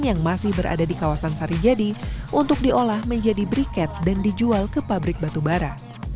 yang masih berada di kawasan sarijadi untuk diolah menjadi briket dan dijual ke pabrik batubara